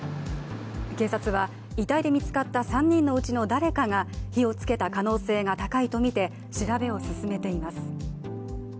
警察は遺体で見つかった３人のうちの誰かが火をつけた可能性が高いとみて調べを進めています。